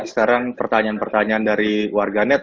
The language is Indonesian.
sekarang pertanyaan pertanyaan dari warganet